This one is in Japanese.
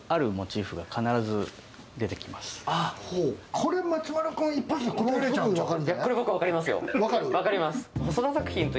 これ松丸君、一発で答えられちゃうんじゃない？